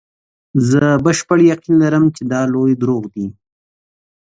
زه بشپړ یقین لرم چې دا لوی دروغ دي.